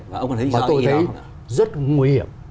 và tôi thấy rất nguy hiểm